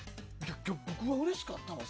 今日、僕はうれしかったわ。